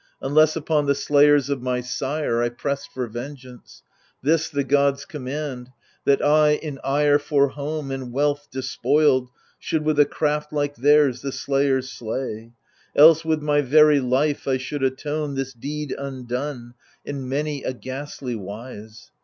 Unless upon the slayers of my sire 1 pressed for vengeance : this the god's command That I, in ire for home and wealth despoiled, Should with a craft like theirs the slayers slay: Else with my very life I should atone This deed undone, in many a ghastly wise.